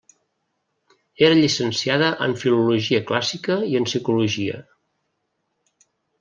Era llicenciada en Filologia Clàssica i en Psicologia.